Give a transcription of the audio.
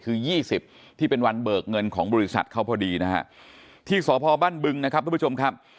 คือยี่สิบที่เป็นวันเบิกเงินของบริษัทเขาพอดีนะฮะที่สพบ้านบึงนะครับทุกผู้ชมครับ